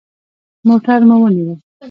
موټر مو ونیوه.